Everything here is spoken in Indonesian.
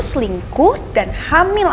selingkuh dan hamil